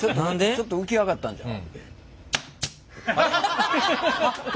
ちょっと浮き上がったんちゃう？